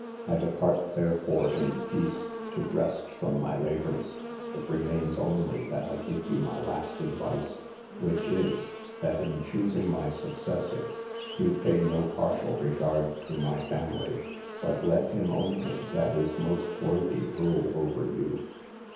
I depart, therefore, in peace, to rest from my labours; it remains only that I give you my last advice, which is, that in choosing my successor, you pay no partial regard to my family, but let him only that is most worthy rule over you."